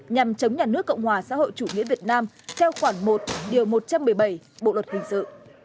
nhằm chống nhà nước cộng hòa xã hội chủ nghĩa việt nam theo khoản một điều một trăm một mươi bảy bộ luật hình sự